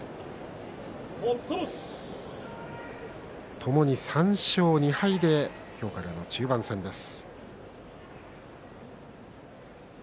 ともに３勝２敗で今日からの中盤戦です。